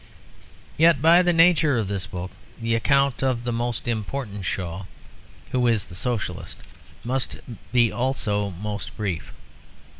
Yet by the nature of this book the account of the most important Shaw, who is the Socialist, must be also the most brief.